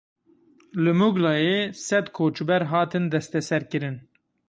Li Muglayê sed koçber hatin desteserkirin.